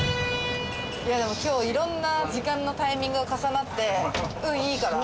いやでも今日色んな時間のタイミングが重なって運いいから。